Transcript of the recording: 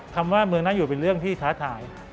คำว่าเมืองน่าอยู่เป็นเรื่องที่ท้าทาย